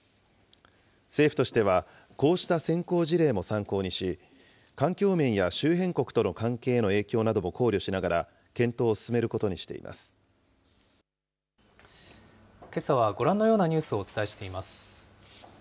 政府としては、こうした先行事例も参考にし、環境面や周辺国との関係への影響なども考慮しながら検討を進めるけさはご覧のようなニュースをお伝えしています。